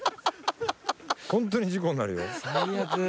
ホントに事故になるよ。